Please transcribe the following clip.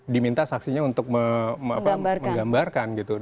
diminta saksinya untuk menggambarkan gitu